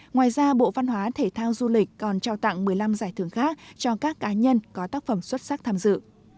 ngoài ra bộ văn hóa thể thao du lịch còn trao tặng một mươi năm giải thưởng khác cho các cá nhân có tác phẩm xuất sắc tham dự